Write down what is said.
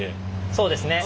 そうですね。